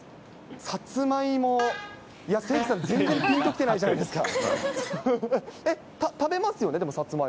さつまいも、いや、誠司さん、全然ぴんときてないじゃないですか。